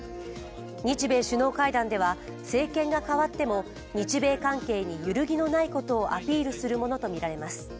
日米首脳会談では、政権が変わっても日米関係に揺るぎのないことをアピールするものとみられます。